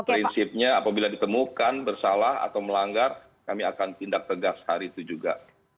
prinsipnya apabila ditemukan bersalah atau melanggar kami akan tindak tegas hari itu juga